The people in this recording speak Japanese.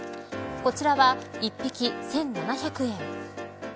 こちらは１匹１７００円。